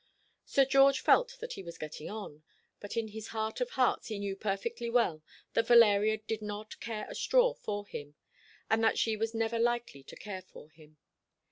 Sir George felt that he was getting on; but in his heart of hearts he knew perfectly well that Valeria did not care a straw for him, and that she was never likely to care for him.